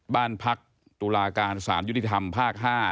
บ้านพักตุลาการสารยุติธรรมภาค๕